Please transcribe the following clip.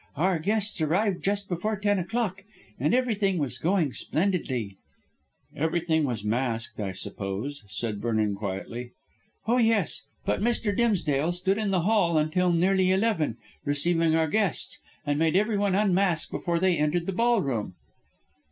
"Our guests arrived just before ten o'clock, and everything was going splendidly." "Everyone was masked, I suppose," said Vernon quietly. "Oh, yes. But Mr. Dimsdale stood in the Hall until nearly eleven, receiving our guests, and made everyone unmask before they entered the ballroom."